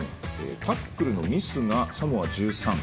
タックルのミスが、サモア１３。